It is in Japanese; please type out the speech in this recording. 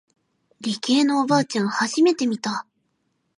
理系のおばあちゃん初めて見た。